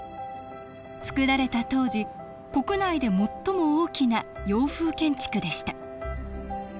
造られた当時国内で最も大きな洋風建築でした